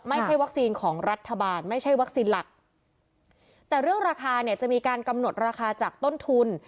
ไม่ใช่วัคซีนของรัฐบาลไม่ใช่วัคซีนหลักแต่เรื่องราคาเนี่ยจะมีการกำหนดราคาจากต้นทุน